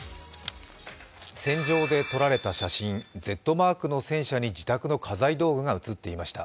戦場で撮られた写真、Ｚマークの写真に自宅の家財道具が写っていました。